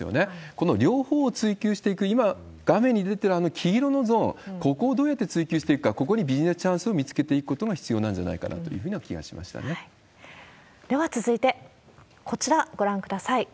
この両方を追究していく、今、画面に出ている黄色のゾーン、ここをどうやって追究していくか、ここにビジネスチャンスを見つけていくことが必要なんじゃないかでは続いて、こちら、ご覧ください。